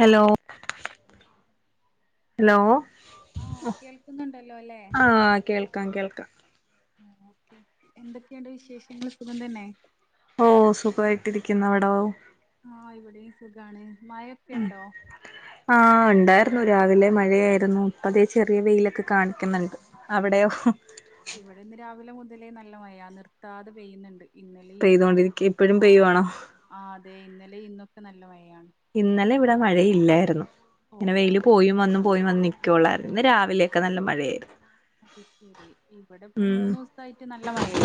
Hello.. hello. ആഹ് കേൾക്കുന്നുണ്ടല്ലോ അല്ലേ ആഹ് കേൾക്കാം കേൾക്കാം... ഓകെ. എന്തൊക്കെയുണ്ട് വിശേഷങ്ങള്? സുഖം തന്നെ. ഓഹ് സുഖമായിട്ടിരിക്കുന്നു. അവിടോ? ആഹ് ഇവിടെയും സുഖാണ്. മഴയൊക്കെ ഇണ്ടോ? ആഹ് ഇണ്ടായിരുന്നു. രാവിലെ മഴയായിരുന്നു. ഇപ്പ ദേ ചെറിയ വെയിലൊക്കെ കാണിക്കുന്നുണ്ട്. അവിടെയോ? ഇവിടെ ഇന്ന് രാവിലെ മുതലെ നല്ല മഴയാ. നിർത്താതെ പെയ്യ്ന്ന്ണ്ട്. പെയ്തോണ്ടിരിക്ക. ഇപ്പഴും പെയ്യുവാണോ? ആഹ് അതെ. ഇന്നലെ ഇന്നൊക്കെ നല്ല മഴയാണ്. ഇന്നലെ ഇവിടെ മഴയില്ലായിരുന്നു. ഇങ്ങനെ വെയില് ഓഹ് പോയും വന്നും പോയും വന്ന് നിക്ക ക്കൊള്ളായിരുന്നു. ഇന്ന് രാവിലെയൊക്കെ നല്ല മഴയായിരുന്നു. അത് ശരി. ഇവിടെ ഇപ്പം ഉം മൂന്നൂസായിട്ട് നല്ല മഴേ.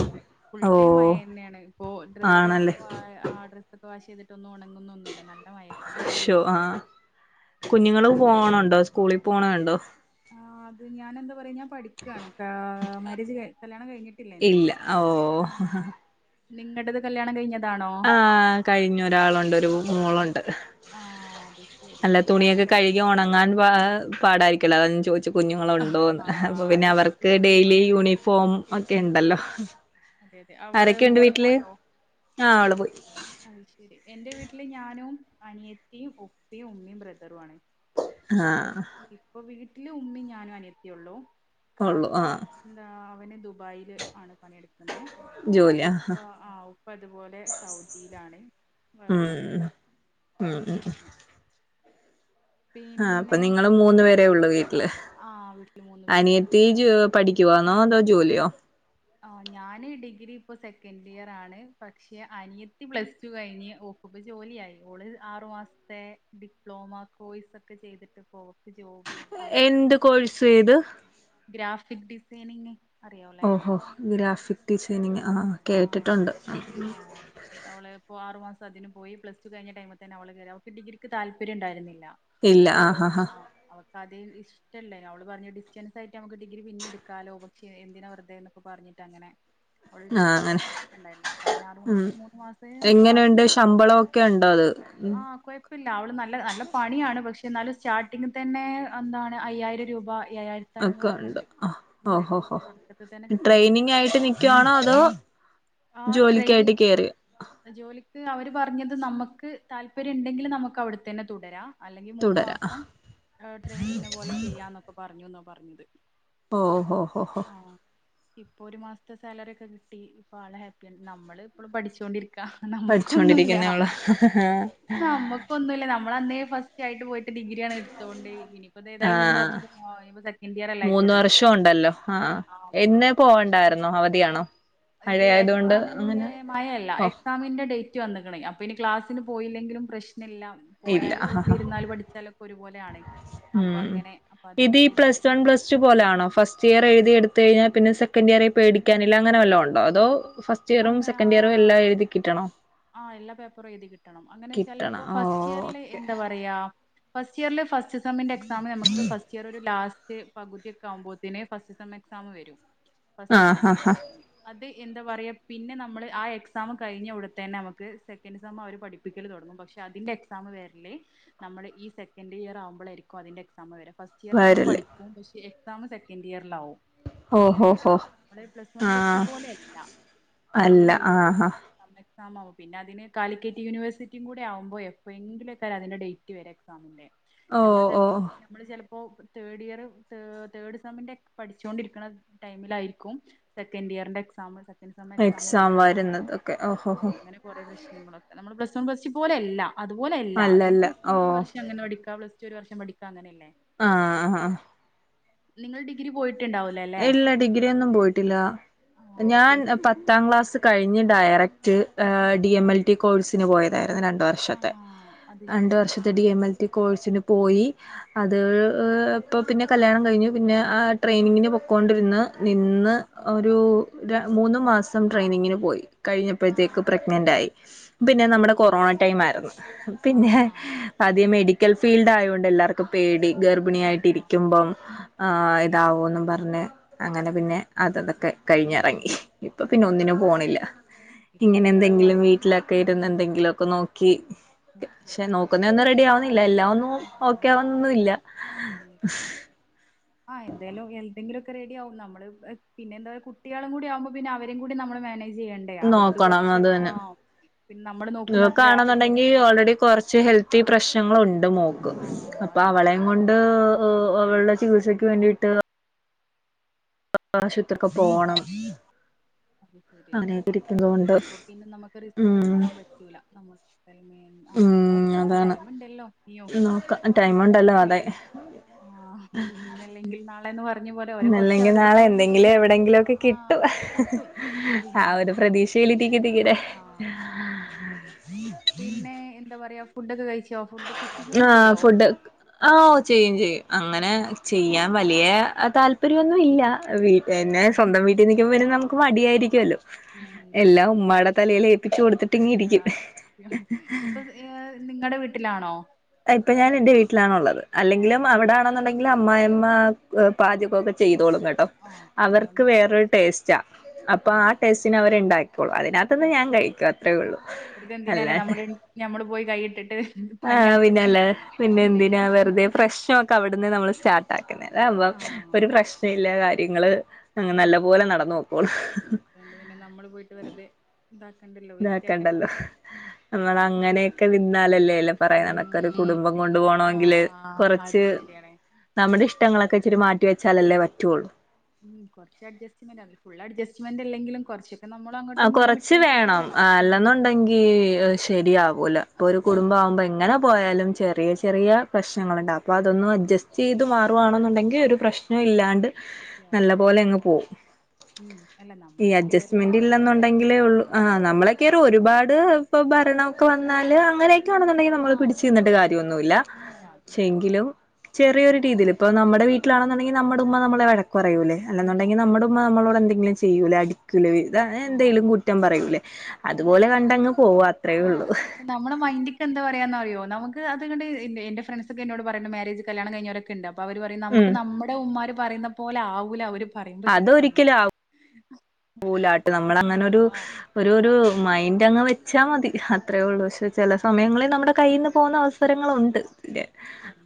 ഫുൾ ഓ ടൈം മഴ ന്നെയാണ്. ഇപ്പൊ ആണല്ലേ ഡ്രസ്സൊക്കെ അ ആ ഡ്രസ്സ് വാഷ് ചെയ്തിട്ടൊന്നും ഉണങ്ങുന്നൊന്നുല്ല നല്ല മഴെ നല്ല മഴ ശോ ആ പിടിച്ച്. കുഞ്ഞുങ്ങള് പോണുണ്ടോ. സ്കൂളിൽ പോണതുണ്ടോ? ആഹ് അത് ഞാനെന്താ പറയാ. ഞാൻ പഠിക്കാണ്. കാ മാരേജ് കഴി കല്യാണം കഴിഞ്ഞിട്ടില്ല എൻ്റേത്. ഇല്ല ഓ ആഹ് നിങ്ങടത് കല്യാണം കഴിഞ്ഞ? ആഹ് കഴിഞ്ഞു. ഒരാളുണ്ട്. ഒരു മോളുണ്ട്. ആഹ് അതു ശരി. അപ്പൊ രാ [unintelligible] കഴുകി ഉണങ്ങാൻ പാ പാടായിരിക്കല്ലോ. അത ഞാൻ ചോയ്ച്ചെ കുഞ്ഞുങ്ങളുണ്ടോന്ന് അപ്പ പിന്നെ ആഹ് അവർക്ക് സ്കൂള് ഡെയിലി യൂണിഫോം ഉം ഉം. ഒക്കെണ്ടല്ലോ. അതെ അതെ അവള് മോള് പോയോ ആഹ് അവള് പോയി അത് ശെരി എൻ്റെ വീട്ടില് ഞാനും അനിയത്തിയും ഉപ്പയും ഉമ്മയും ബ്രദറു ആണ്. ഹാ അപ്പ് ഇപ്പൊ വീട്ടില് ഉമ്മയും ഞാനു അനിയത്തിയൊള്ളൂ ഉള്ളു ഇക്കാക്ക ആഹ് എന്താ അവന് ദുബായില് ആണ് പണിയെടുക്കുന്നെ. ജോലി ഉപ്പ ആഹ് ആഹ് ഉപ്പ ഇതുപോലെ സൗദിയിലാണ് ഉം പണിയെടു ഉം ഉം ആഹ് അപ്പ പിന്നെ നിങ്ങള് മൂന്ന് പേരേ ഒള്ളൂ വീട്ടില്. ആഹ് വീട്ടിൽ മൂന്ന് പേരെ ഒള്ളൂ. അനിയത്തി ജോ പഠിക്കുവാന്നോ അതോ ജോലിയോ ആഹ് ഞാന് ഡിഗ്രി ഇപ്പോ സെക്കൻഡിയറാണ് പക്ഷെ അനിയത്തി പ്ലസ് ടു കഴിഞ്ഞ് ഒ ഓൾക്ക് ജോലിയായി. ഓള് ആറു മാസ്ത്തെ ഡിപ്ലോമ കോഴ്സൊക്കെ ചെയ്തിട്ട് ഇപ്പോ ഓൾക്ക് ജോ എന്ത് കോഴ്സൈയ്ത് ഗ്രാഫിക് ഡിസൈനിങ്. അറിയാവല്ലേ ഓഹോ ഗ്രാഫിക് ഡിസൈനിങ്ങ് ആഹ് കേട്ടിട്ടുണ്ട്. പിന്നവള് ഇപ്പോ ആറു മാസം അതിന് പോയി. പ്ലസ്ടു കഴിഞ്ഞ ടൈമി തന്നെ അവള് കയറി. അവൾക്ക് ഡിഗിക്ക് താല്പര്യുണ്ടായിരുന്നില്ല. ആഹ് ആഹ് അവൾക്ക് അതിൽ ഇഷ്ടല്ലാനു അവള് പറഞ്ഞ ഡിസ്റ്റൻ റ്റായിട്ട് നമുക്ക് ഡിഗ്രി പിന്നെ എടുക്കാലോ. പക്ഷെ എന്തിനാ വെറുതേ എന്നൊക്കെ പറഞ്ഞിട്ട് അങ്ങനെ അവൾ ആഹ് അങ്ങനെ എല്ലാർക്കും ഷ്ടണ്ടായില്ല അപ്പ അങ്ങനെ ആറു ഉം മാസ മൂന്ന് മാസേ ക്ലാസ് എങ്ങനെയുണ്ട് ശമ്പളമൊക്കെ ഉണ്ടോ അത് ഉം ആഹ് കുഴ ഇല്ല അവള് നല്ല നല്ല പണിയാണ് പക്ഷെ എന്നാലും സ്റ്റാർട്ടിംങ് തന്നെ എന്താണ് അയ്യായിരം രൂപ ഏരായിര് ഒക്ക ഒണ്ട് ഹൊ ഹൊ ഹൊ തുടക്കത്തിൽ തന്നെ കിട്ടുന്നുണ്ട് ട്രെയിനിങായിട്ട് നിക്കുവാണോ അതോ ആ ട്രെയിനി ജോലിക്കായിട്ട് കേറി ജോലിക്ക് അവര് പറഞ്ഞത് നമ്മക്ക് താല്പര്യുണ്ടെങ്കില് നമുക്ക് അവിടത്തന്നെ തുടരാം. അല്ലെങ്കി മൂന്ന് തുടരാ മാസം ട്രെയിനിങ്ങിനെ പോലെ ചെയ്യാന്നൊക്കെ പറഞ്ഞൂന്ന പറഞ്ഞത് ഓ ഹൊ ഹൊ ഹൊ ആഹ് ഇപ്പൊ ഒരു മാസത്തെ സാലറിയൊക്കെ കിട്ടി ഇപ്പ ആള് ഹാപ്പിയാണ് നമ്മള് ഇപ്പൊഴും പഠിച്ചോണ്ടിരി ക്കാ നമ്മുക്കൊന്നുല്ല പഠിച്ചോണ്ടിരിക്കുന്നേ ഉള്ളൂ നമ്മുക്കൊന്നുല്ല നമ്മളന്നേ ഫസ് യായിട്ട് പോയിട്ട് ഡിഗ്രിയാണ് എടുത്തോണ്ട് ഇനി ഇപ്പ തേതായാലും മൂന്ന് ആഹ് വർഷ സെക്കന്റിയർല്ലെ ആയിട്ടുളളു ഇനിപ്പ നാ ഒണ്ടല്ലോ ഹാ ആ മൂന്ന് ഇന്ന് വർഷം പോവണ്ടായിരുന്നോ അവധിയാണോ ഇത് മഴയായതുകൊണ്ട് എക്സാമിന്റെ അങ്ങനെ മഴയല്ല ഓഹ് എക്സാമിന്റെ ഡേറ്റ് ഡേറ്റ് വന്ന്ക്ക്ണ് അപ്പോ ഇനി ക്ലാസ്സിന് പോയില്ലങ്കിലും പ്രശ്നില്ല ഇല്ല പോയാലും ആഹ് വീട്ടിലിരുന്നാലും പഠിച്ചാലും ഒരുപോലാണ് ഉം ഇതീ plus one plus plus two പോലാണോ ഫസ്റ്റിയർ എഴുതി എടുത്ത് കഴിഞ്ഞാ പിന്നെ സെക്കൻഡിയറീ പേടിക്കാനില്ല അങ്ങന വല്ലോ ഒണ്ടോ അതോ ഫസ് ഫസ്റ്റിയറും അങ്ങനെ സെക്കന്റിയറും ആ എല്ലാ എഴുതി കിട്ടണോ ആഹ് എല്ലാ പേപ്പറും എഴുതി കിട്ടണം അങ്ങനെ വെച്ചാല് ഇപ്പോ കിട്ടണം ഓ ഫസ്റ്റിയർല് ഓക്കെ എന്താ- പ്രിയ ഫസ്റ്റിയറില് ഫസ്റ്റ് സെമ്മിന്റെ എക്സാം നമ്മക്ക് ഫസ്റ്റിയർ ഒര് ലാസ് റ്റ് പകുതിയൊക്ക ആവുംമ്പോത്തേന് ഫസ്റ്റ് സെം എക്സാം വെരും ഫസ്റ്റ് ആഹ് ഹാ സെമ്മേ ഹാ അത് എന്താ പറയാ പിന്നെ നമ്മള് ആ എക്സാം കഴിഞ്ഞാ ഉടൻ തന്നെ നമുക്ക് സെക്കൻ സെം അവര് പഠിപ്പിക്കല് തൊടങ്ങും പക്ഷെ അതിന്റെ എക്സാം വെരല് നമ്മള് ഈ സെക്കൻഡിയർ ആവുമ്പഴായിരിക്കും അതിന്റെ എക്സാം വെരാ ഫസ് തിയറി നമ്മൾ വരല് പഠിക്കും പക്ഷെ എക്സാം സെക്കൻഡിയറിലാവും ഓഹോ ഹോ ഹോ അങ്ങനെയായിരുന്നു നമ്മളെ പ്ലസ് വൺ പ്ലസ് ടു ആഹ് പോലെയല്ല അല്ല അങ്ങനെയല്ലേ ആഹ് ആഹ് [unintelligible] എക്സാം ആവും പിന്ന അതിന് കാലിക്കെറ്റ് യൂണിവേഴ്സിറ്റിയും കൂടെ ആവുംമ്പോ എപ്പയെങ്കിലക്ക അതിന്റെ ഡേറ്റ് വെര എക്സാമിന്റെ ഓ നമ്മള് ഓ ചെലപ്പോ നമ്മള് ചെലപ്പോ തേർഡിയർ തേർഡ് സെമ്മിൻ്റെ പഠിച്ചോണ്ടിരിക്കണ ടൈമിലായിരിക്കും സെക്കന്റിയറിന്റെ എക്സാമ് എക്സാം വരുന്നതൊക്കെ ഓ ഹൊ ആ ഹൊ അങ്ങനെ കൊറേ പ്രശ്നങ്ങളൊണ്ട് നമ്മള് പ്ലസ് വൺ പ്ലസ് ടു പോലെയല്ല അത് പോലെയല്ല അത് അല്ലല്ല പ്ലസ് വൺ ഓ ഒരു വർഷ അങ്ങനെ പടിക്കാ പ്ലസ് ഒരുമിച്ചു ഒരു വർഷം പഠിക്കാ അങ്ങനെയല്ലേ ആഹ് ആഹ് നിങ്ങൾ ഡിഗ്രി പോയിട്ടുണ്ടാവോ? ഇല്ല ഡിഗ്രിയോന്നും പോയിട്ടില്ല ആ ഞാൻ പ്ലസ് പത്താം ക്ലാസ് കഴിഞ്ഞ് direct D M L T കോഴ്സിന് പോയതായിരുന്നു രണ്ട്- രണ്ട് ആ വർഷത്തെ അത് രണ്ട് ശരി വർഷത്തെ ഡി എം എൽ ടി കോഴ്സിന് പോയി അത് ഇപ്പ പിന്നെ കല്യാണം കഴിഞ്ഞു പിന്നെ ട്രെയിനിങ്ങിന് പോ- കൊണ്ടിരുന്ന് ആ നിന്ന് ആ ഒരു മൂന്ന് മാസം ട്രെയിനിങ്ങിന് പോയി. ആ കഴിഞ്ഞപ്പോഴത്തേക്ക് പ്രഗ്നന്റായി പിന്നെ ആ നമ്മുടെ ആ കൊറോണ ടൈമായിരുന്നു ആഹ് പിന്നെ- ആഹ് ആദ്യം മെഡിക്കൽ ഫീൽഡ് ആയതോണ്ട് എല്ലാവർക്കും പേടി- ഗർഭിണിയായിട്ട് ആഹ് ഇരിക്കുമ്പം ഗർഭിണി ആഹ് ഇതാവോ പറഞ്ഞു അങ്ങനെ പിന്നെ അതതൊക്കെ കഴിഞ്ഞിറങ്ങി ഇപ്പൊ പിന്നെ ഒന്നിനും പോണില്ല. ഇപ്പൊ ഇങ്ങനെ മോളു എന്തെങ്കിലും ആയിട്ട് വീട്ടിലൊക്കെ ഇരുന്ന് ശരി ആഹ് എന്തെങ്കിലുമൊക്കെ നോക്കി പക്ഷെ നോ- നോക്കുന്ന ഒന്നും റെഡി ആവുന്നില്ല എല്ലാ ഒന്നും ഓക്കെ ആവന്നില്ല ഓക്കെ ആവണംന്നില്ല ആഹ് എന്താലും എന്തെങ്കിലുക്കെ റെഡി ആകും നമ്മള് പിന്നെ എന്താ കുട്ടികളും കൂടി ആവുമ്പോ പിന്നെ- അവരും കൂടെ നമ്മൾ മാനേജ് ചെയ്യണ്ടേ അവരത് നോക്കണം കുറച്ച് അത് തന്നെ ആഹ് പിന്നെ നമ്മള് നോക്കുന്ന അത്ര ആരും ആകാണന്നുണ്ടെങ്കി പറ്റൂല ഓൾറെഡി കുറച്ച് ഹെൽത്- ഒത്തിരി പ്രശ്നങ്ങളുണ്ട് മോക്ക് ആഹ് അപ്പൊ അത് അവളെയം ശരി കൊണ്ട് അവള് ചികിത്സക്ക് വേണ്ടിയിട്ട് ആശുപത്രിക്ക് പോണം. ആഹ് അത് ശരി അങ്ങനെയൊക്കെ ഇരിക്കുന്നോണ്ട് അപ്പൊ പിന്നെ നമുക്ക് റിസ്ക് ഉം എടുക്കാൻ പറ്റൂല നമ്മൾ ആഹ് ഉം നോക്ക ഒക്കെ അതാണ് ടൈമ് ണ്ടല്ലോ ന്യോ നോക്കാം ടൈം ഉണ്ടല്ലോ അതെ നോക്ക ആഹ് ഇന്നല്ലെങ്കിൽ നാളെന്ന പറ ഇന്ന് അല്ലെങ്കിൽ നാളെ എന്തെങ്കിലും എവിടെങ്കിലും ഒക്കെ ആഹ് കിട്ടും കിട്ടും കിട്ടുവല്ലോ ആഹ് ഒരു- പ്രതീഷയിൽ ഇരിക്കുന്നു ഇങ്ങനെ ആഹ് അത് ശരിയാ പിന്നെ എന്താ പറയാ ഫുഡൊക്കെ കഴിച്ചോ? ഫുഡ് കുക്കിംഗ് ഒക്കെ ആഹ് ചെയ്യോ ഫുഡ് ആഹ് ഓ ചെയ്യും ചെയ്യും അങ്ങനെ ഓഹ് ചെയ്യാൻ വലിയ താല്പര്യോന്നും ഇല്ല എന്നെ ആഹ് സ്വന്തം വീട്ട് വെറുതെരിക്കുമ്പം നമുക്ക് മടിയായിരിക്കല്ലോ ഉം എല്ലാം ഉമ്മാടെ തലയിൽ ഏൽപ്പിച്ചു കൊടുത്തിട്ട് ഒതുങ്ങിയിരിക്കും നിങ്ങളുടെ വീട്ടിലാണോ? ആഹ് ഇപ്പൊ ഞാന്റെ വീട്ടിലാണുള്ളത് അല്ലെങ്കിലും ആഹ് അവിടെണെന്നുണ്ടെങ്കിലും- അമായിമ്മ പാചകംഒക്കെ ചെയ്തോളും കേട്ടോ- ആഹ് അതുകൊണ്ട് അവർക്ക് വേറൊരു രസ- ടേസ്റ്റാ അപ്പൊ ആഹ് ടേസ്റ്റിന് അവർണ്ടാക്കിയോളൂ അതിനകത്ത് ആഹ് അതിനകത്ത് ഞാൻ കഴിക്കും അത്രേള്ളൂ വെറുതെ എന്തിനാല്ലേ അല്ലാണ്ട് നമ്മള് ഞമ്മള് പോയി കൈയിട്ടിട്ട് [unintelligible] പണിയാക്കുന്നേ പിന്നെല്ല പിന്നെ അതിന് എന്തിനാ വെറുതെ നല്ലത് പ്രശ്നംഒക്കെ അവിടുന്ന് നമ്മള് സ്റ്റാർട്ട് ആക്കുന്നല്ലേ ഇതപ്പൊ ആഹ് ഒരു പ്രശ്നല്ല കാര്യങ്ങള് നല്ല ആഹ് പോലെ നടന്ന് പൊക്കോളും. അതുകൊണ്ട് പിന്നെ നമ്മൾ പോയിട്ട് വെറുതെ ഇതാക്കണ്ടല്ലോ വേസ്റ്റ് ആക്കണ്ടല്ലോ നമ്മൾ അങ്ങനെയൊക്കെ നി ന്നാലല്ലല്ലേ പറയാ നടക്ക ഒരു ഉം കുടുംബം കൊണ്ട് പോണമെങ്കില് കൊറച്ച് ശരിയാണ്- നമ്മുടെ ഇഷ്ടങ്ങളൊക്കെ ഇച്ചിരി മാറ്റിവച്ചാലല്ലേ പറ്റൊള്ളൂ. ഉം കുറച്ച് അഡ്ജസ്റ്റ്മെന്റ്ല്ല ഫുൾ അഡ്ജസ്റ്റ്മെന്റ്ല്ലെലും കുറച്ച്- ആഹ് കൊറച്ച് വേണം ഉം അല്ലെന്നുണ്ടെങ്കി ശരിയാവൂല ഇപ്പൊ അത് ഒരു കുടുംബംവുമ്പോ ശരിയാവില്ല എങ്ങനെ പോയാലും ചെറിയ ചെറിയ പ്രശ്നങ്ങളുണ്ട് അപ്പോൾ അതൊന്ന് അഡ്ജസ്റ്റ് ചെയ്ത് മാറുവാണെന്നുണ്ടങ്കിൽ ഒരു പ്രശ്നം ഇല്ലാണ്ട് ശരിയാവും നല്ല പോലെ അങ്ങ് പോവും. ഉം അല്ല നമ്മള് കേറി ണ്ടെങ്കിലേ നമ്മൾക്കായിട്ട് ഉള്ള ആഹ് നമ്മൾ കേറി ഒരുപാട് ഇപ്പൊ ഭരണമ ഒക്കെ വന്നാല് അങ്ങനെയൊക്കെ നമുക്ക് ആണെന്നുണ്ടെങ്കിൽ നമ്മള് ആഹ് പിടിച്ചു നിന്നി്ട്ട് കാര്യന്നുല്ല- അതില്ല ചങ്കിലോ- ചെറിയൊ രീതിൽ ഇപ്പ നമ്മ വീട്ടിലണെന്നുണ്ടെങ്ക നമ്മുടെമ്മ വിഴക്കുപറയൂല്ല ഉം അല്ലെന്നുണ്ടെങ്കിൽ നമ്മ മ്മ നമ്മളോട് എന്തെങ്കിലും ചെയ്യൂലെ അടിക്കൂലെ ഇതഅങ്ങനെ ആഹ് എന്തെലും കുറ്റം പറയൂലേ അതുപോലെ കണ്ടങ് പോവാ അത്രേ ആഹ ഉള്ളൂ അവര് നമ്മുടെ മൈന്റ്ക്ക് എന്താ പറയാന്നറിയൊ നമുക്ക് അതങ്ങട്ട് ണ്എന്റെ ഫ്രണ്ട് ഒക്കെ എന്നോട് പറയണെ മാര്യേജ് കല്യാണം കഴിഞ്ഞരൊക്ക ഉണ്ട് അപ്പൊ അവര് പറ ഉം നമുക്ക് നമ്മുടെ ഉമമാര് പറയുന്ന പോലെ ആവൂല അവര് പറിമ്പൊ ചില അതൊരിക്കലും ആ സമയത്ത് പോലാട്ട് നമ്മളങ്ങനൊരു ആഹ് ഒരു ഒരു മൈൻഡ് അങ്ങ് വെച്ചാൽ മതി അത്രയേ ഉള്ളൂ പക്ഷെ ചില സമയങ്ങളിൽ നമ്മുടെ കയ്യിന്ന് പോന്ന അവസ്ഥ രങ്ങള് ഉണ്ട് പിന്നെ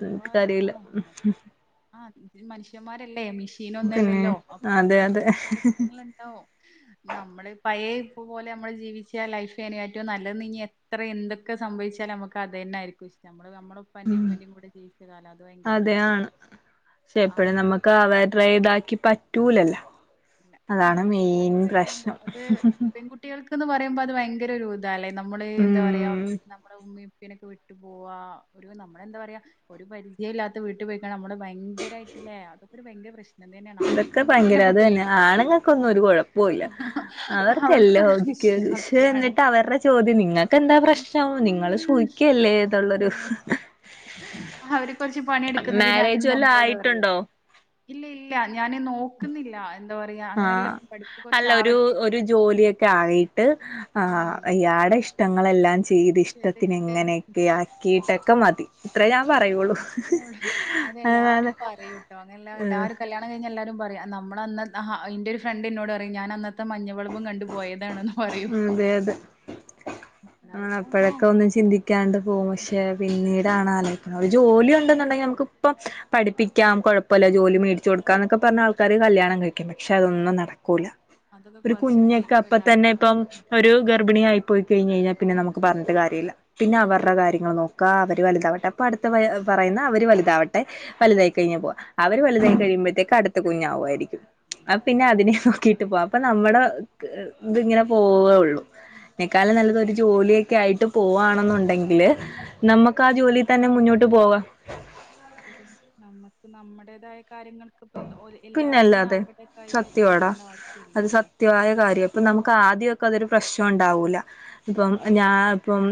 എനിക്ക് അറില്ല ആഹ്. [unintelligible] ആഹ് മനുഷ്യന്മാരല്ലേ മെഷീൻ പിന്നെ ഒന്നുംല്ലല്ലോ അപ്പോ അതെ അതെ അതിനനുസരിച്ച പ്രശ്നങ്ങളുണ്ട് നമ്മള് പയേ പോലെ നമ്മള് ജീവിച്ച ലൈഫ് ഏറ്റവും നല്ലെന്ന് ഇനി എത്ര എന്തൊക്കെ സംഭവിച്ചാലും നമുക്ക് അതന്നായിരിക്കും ഇഷ്ടം നമ്മള് നമ്മളെ പ്പാന്റെയും ഉമ്മന്റെയും കൂടെ ജീവിച്ച കാലം അത് ഭയങ്കരം അതെ തന്നാടി ആണ് പക്ഷെ ആ എപ്പഴും ഒരു നമുക്ക് അവരുടെ ഇതാക്കി പറ്റൂലല്ലാ [unintelligible] ഇല്ല അത് ഒരു കാലം കഴിയുമ്പൊ അത് പെൺകുട്ടി കുട്ടികൾക്ക്ന്ന് പറയുമ്പൊ അത് ഭയങ്കര ഒരു ഇതാല്ലെ നമ്മള് എന്താ പറയാ ഉം നമ്മടെ ഉമ്മേം ഒക്കെ വിട്ടു പോവാ ഒരു നമ്മളെന്താ പറയാ ഒരു പരിചയം ഇല്ലാത്ത വീട്ടിൽ പോയിക്ക നമ്മുടെ ഭയങ്കരായിട്ടില്ലേ അതൊക്കെ ഒരു ഭയങ്കര പ്രശ്നം തന്നെയാണ് ഇതൊക്കെ ഭയങ്കര ആലോയ്ക്കുമ്പത്തമ്മക്ക് അത് പേടി തന്നെ ആണുങ്ങൾക്കൊന്നും ഒരു കുഴപ്പൊല്ല അവർക്കെല്ലാം അവർക്കൊരു ഓക്കെ ആണ് ശെ പ്രശ്നൊക്കെയാണ് ന്നിട്ട് അവരുടെ ചോദ്യം നിങ്ങൾക്ക് എന്താ പ്രശ്നം നിങ്ങള് സൂഹിക്കേ ല്ലേതുള്ളൊരു അവര് കുറച്ച് പണിയെ ടുക്കുന്നതിന് അതിന് മാരേജ് വല്ലോം നമ്മളോട് പറയും ആയിട്ടുണ്ടോ? ഇല്ല ഇല്ല ഞാന് നോക്ക്ന്നില്ല ആഹ അല്ല ഒരു ആവട്ടെ ഒരു ജോലിയൊക്കെ ആയി ആ ആഹ് അയാടെ ഇഷ്ട്ടങ്ങളെല്ലാം ചെയ്ത് ഇഷ്ട്ടത്തിന് ചെയ്തിട്ട് ഇങ്ങനെയൊക്കെ ആക്കീട്ടൊക്കെ മതി ഇത്രേ ഞാൻ പറയുള്ളൂ. ഇപ്പ അതാണ് അതെല്ലാരും പറയൂട്ടൊ അങ്ങല്ല ഏഹ് എല്ലാരും കല്യാണം ഴിഞ്ഞ എല്ലരും പറയാ നമ്മള ന്റെ ഒരു ഫ്രണ്ടിന്നോട് പറയും ഞാൻ അന്ന് - ഇ മഞ്ഞവള്ബും കണ്ടു പോയതാണെന്ന് പറയും ഉം അതെ അതെ ആഹ് അപ്പഴൊക്കെ ഒന്നും ചിന്തിക്കാണ്ട് പോകും പക്ഷെ പിന്നീടാണ് ആലോയിക്കുന്നത് ഒരു ജോലി ഉണ്ടെന്നുണ്ടെങ്കി നമുക്ക് ഇപ്പം പഠിപ്പിക്കാം കുഴൊപ്പല്ല ജോലി മേടിച്ച് കൊടുക്കന്നൊക്കെ പറഞ്ഞ് ആൾക്കാര് കല്യാണം കഴിക്കും പക്ഷെ അതൊന്നും നടക്കൂല്ല അതൊക്കെ ഒരു കൊറച്ച് കുഞ്ഞൊക്കെ കഴിയുമ്പോ അപ്പ തന്നെ എല്ലാർക്കും ഇപ്പം ഒരു ഗർഭിണി ആയി പോയി കഴിഞ്ഞഴിഞ്ഞാൽ പിന്നെ നമുക്ക് പറഞ്ഞിട്ട് കാര്യമില്ല പിന്നെ അവരുടെ കാര്യങ്ങൾ നോക്കാ അവര് വലുതാവട്ടെ അപ്പൊ അടുത്ത പറയുന്ന അവര് വലുതാവട്ടെ വലുതായി കഴിഞ്ഞ് പോവാ അവര് വലുതായി കഴിയുമ്പോഴത്തേക്ക് അടുത്ത കുഞ്ഞാവുമായിരിക്കും ആ പിന്നെ അതിനെ നോക്കീ ട്ട് പോം അപ്പൊ നമ്മുടെ ഇത് ഇങ്ങനെ പോവേള്ളു അയിനെ ക്കാലും നല്ലതൊരു ജോലിയൊക്കെ ആയിട്ട് പോവാണെന്നുണ്ടെങ്കില് നമ്മക്ക് ആ ജോലി തന്നെ മുന്നോട്ട് പോവാം ശ നമ്മക്ക് നമ്മടേതായ കാര്യങ്ങൾക്ക് പ്പ എല്ലാത്തിനും പിന്നല്ലാതെ അവരുടെ കൈ നീട്ടണ്ട ആവശ്യല്ലല്ലോ കൃത്യായ കാര്യാ ഇപ്പ നമുക്ക് ആദ്യൊക്കെ അതൊരു പ്രശ്നം ഉണ്ടാവൂല്ല ഉം ഇപ്പം ഞാ ഇപ്പം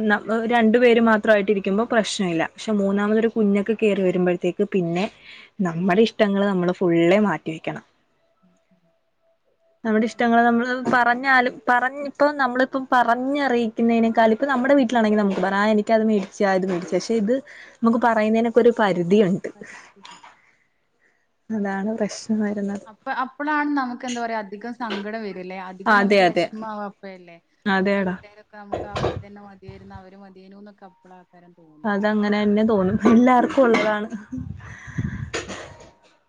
രണ്ടു പേര് മാത്രമായിട്ട് ഇരിക്കുമ്പോൾ പ്രശ്നഇല്ല പക്ഷേ ഉം മൂന്നാമതൊരു കുഞ്ഞക്ക് കയറി വരുമ്പോഴത്തേക്ക് പിന്നെ നമ്മുടെ ഇഷ്ട്ടങ്ങള് നമ്മള് ഫുള്ളെ മാറ്റി വെക്കണം ഉം നമ്മുടെ ഉം ഇഷ്ട്ടങ്ങൾ നമ്മള് പറഞ്ഞാലും പറഞ്ഞ ഇപ്പം നമ്മളിപ്പം പറഞ്ഞറിയിക്കുന്നതിനേക്കാലും ഇപ്പം നമ്മുടെ വീട്ടിലാണെങ്കിൽ നമുക്ക് പറയാം നിക്ക് അത് മേടിച്ച ഇത് മേടിച്ച പക്ഷെ ഇത് നമുക്ക് പറയുന്നതിനൊക്കെ ഒരു പരിധി ഉണ്ട് അ ശ ശരി അ അതാണ് [unintelligible] പ്രശ്നം വരുന്നത് അപ്പൊളാണ് നമുക്ക് എന്താ പറയാ അധികം സങ്കടം വരില്ലേ അധികം അതെ നമുക്ക് അതെ വിഷമാവാ അപ്പല്ലേ നമ്മുടെ അതെടാ വീട്ടുകാരൊക്കെ നമുക്ക് അവി ടെതന്നെ മതിയായിരുന്നു അവര് മതിയേനുന്നൊക്കെ അപ്പള ആക്കാരൻ തോന്നാ അത അങ്ങനെ തന്നെ തോന്നും എല്ലാർക്കും ഉള്ളതാണ്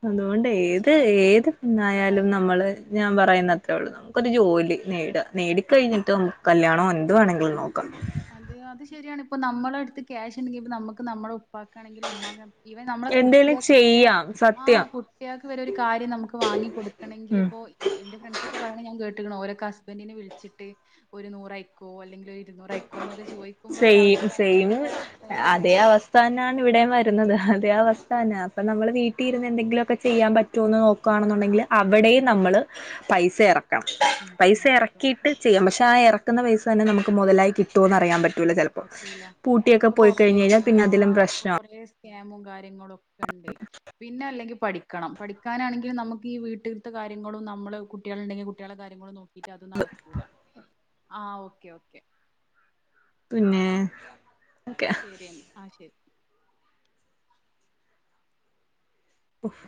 അതുകൊണ്ട് അത് ഏത് ചെയ്യാ നമ്മ ഏത് പെണ്ണാ യാലും കുട്ടികളായില്ലേ നമ്മള് ഞാൻ പറയുന്ന് അത്രേ ഉള്ളെന്ന് നമുക്കൊരു ജോലി നേടാം നേടിക്കഴിഞ്ഞിട്ട് നമുക്ക് കല്യാണോ എന്ത് വേണമെങ്കിലും നോക്കാം അത് അത് ശരിയാണ് ഇപ്പ നമ്മള അടുത്ത് ക്യാഷ് ഉണ്ടെങ്കിൽപ്പോ നമുക്ക് നമ്മളെ ഉപ്പാക്കാണെങ്കിൽ ഉമ്മമാ ഇവൻ നമ്മളെ എന്തേലും കുട്ടികൾക്ക് വരെ ചെയ്യാം ആഹ സത്യം കുട്ടികൾക്ക് വര ഒരു കാര്യം നമുക്ക് വാങ്ങി കൊടുക്കണമെങ്കിൽ ഉം ഇപ്പോ എന്റെ ഫ്രണ്ട്സ് ഒക്കെ പറയണ ഞാൻ കേട്ടെക്കണ് ഓര് ഒക്കെ ഹസ്ബന്റിനെ വിളിച്ചിട്ട് ഒരു നൂറ അയക്കോ അല്ലെങ്കിൽ ഒരു ഇരുന്നൂറയക്കോ എന്നൊക്കെ ചോദിക്കുമ്പോൾ ഒര സെയിം അവസ്ഥ ഭയങ്കര ഭയങ്കരത അവസ്ഥാനാണ് ഇവിടെയും വരുന്നത് അതേ അവസ്ഥാന അപ്പൊ നമ്മൾ വീട്ടിൽ ഇരുന്ന് എന്തെങ്കിലുമൊക്കെ ചെയ്യാൻ പറ്റോ റ്റൂന്ന് നോക്കുകയാണെന്നുണ്ടെങ്കിൽ അവിടെയും നമ്മൾ പൈസ ഇറ ഉം പൈസ ഇറക്കിയിട്ട് അതും ചെയ്യാം പക്ഷെ ആ ഇറക്കുന്ന പൈസ തന്നെ നമുക്ക് മുതലായി കിട്ടുമന്ന് അറിയാൻ പറ്റു ചിലപ്പോ പറ്റൂല പൂട്ടിയോക്കെ ഇപ്പൊ പോയി കഴിഞ് കഴിഞ്ഞാ പിന്നെ അതിലും പ്രശ്ന യാമും കാര്യങ്ങളും ഒക്കെ ഉണ്ട് പിന്നെ അല്ലെങ്കിൽ പഠ വക്കണം പഠിക്കാനാണെങ്കിൽ നമുക്ക് വീട്ടിലുതെ കാര്യങ്ങളും നമ്മളെ കുട്ടികളുണ്ടെങ്കിൽ കുട്ടികളെ കാര്യങ്ങളും നോക്കാ ത് നടക്കൂല ആ ഓക്കെ ഓക്കെ പിന്നെ ഒക്കെ ശരിയ ആ ശരി ഉഫ്